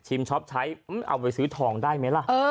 ช็อปใช้เอาไปซื้อทองได้ไหมล่ะ